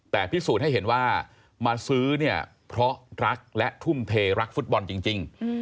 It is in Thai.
แต่พิสูจน์ให้เห็นว่ามาซื้อเนี่ยเพราะรักและทุ่มเทรักฟุตบอลจริง